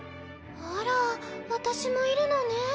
あら私もいるのね。